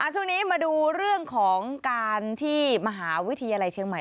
ช่วงนี้มาดูเรื่องของการที่มหาวิทยาลัยเชียงใหม่